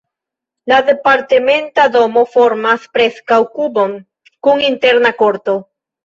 La departementa domo formas preskaŭ kubon kun interna korto.